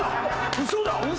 ウソだ！